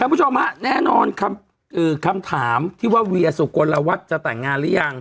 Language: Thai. แล้วผู้ชมฮะแน่นอนคำคือคำถามที่ว่าเวียสุโกนละวัดจะแต่งงานหรือยัง